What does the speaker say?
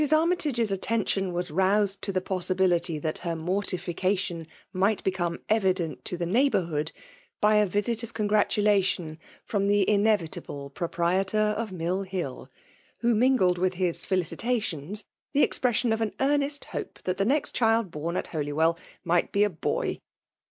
Army tage*s attention was roused to the possibiHlj that her mortification might become evident to the neighbomrhoody by a visit of congratu lation from the inevitable proprietor of Mitt Hill ; who mingled with his felicitatiohs the expression of an earnest hope that the next cMId bom at Holywell might be a boy.